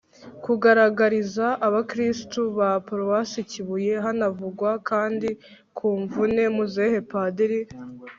kugaragariza abakristu ba paruwasi kibuye. hanavugwa kandi ku mvune muzehe padiri